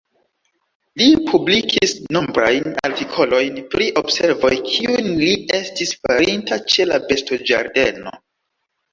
Li publikis nombrajn artikolojn pri observoj kiujn li estis farinta ĉe la bestoĝardeno.